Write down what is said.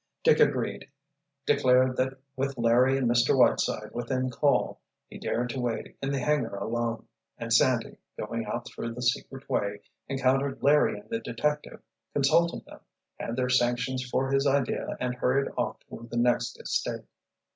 Dick agreed, declared that with Larry and Mr. Whiteside within call he dared to wait in the hangar alone, and Sandy, going out through the secret way, encountered Larry and the detective, consulted them, had their sanction for his idea and hurried off toward the next estate.